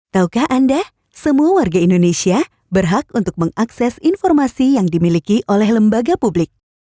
taukah anda semua warga indonesia berhak untuk mengakses informasi yang dimiliki oleh lembaga publik